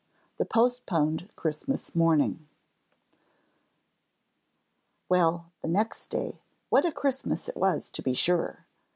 XXI THE POSTPONED CHRISTMAS MORNING Well, the next day, what a Christmas it was to be sure!